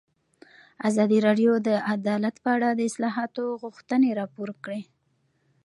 ازادي راډیو د عدالت په اړه د اصلاحاتو غوښتنې راپور کړې.